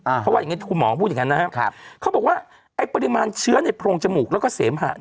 เพราะว่าอย่างงี้คุณหมอพูดอย่างงั้นนะครับเขาบอกว่าไอ้ปริมาณเชื้อในโพรงจมูกแล้วก็เสมหะ